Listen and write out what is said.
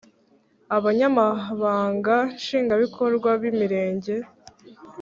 abanyamabanga nshingwabikorwa b’imirenge,